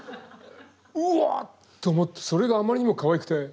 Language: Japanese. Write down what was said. うわと思ってそれがあまりにもかわいくて。